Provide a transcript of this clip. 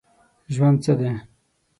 ژوند څه دی ؟